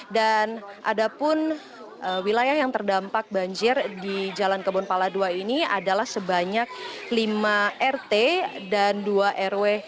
dan ada pun wilayah yang terdampak banjir di jalan kebun pala ii ini adalah sebanyak lima rt dan dua rw